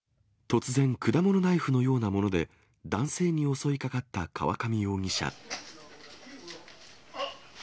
突然、果物ナイフのようなもので男性に襲いかかった河上容疑者。